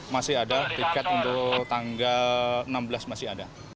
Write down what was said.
masih ada tiket untuk tanggal enam belas masih ada